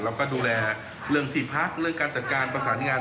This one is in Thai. แล้วก็ดูแลเรื่องที่พักเรื่องการจัดการประสานงาน